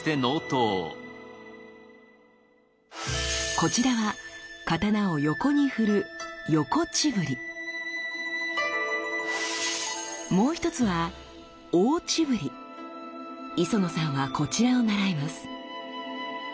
こちらは刀を横に振るもう一つは磯野さんはこちらを習います。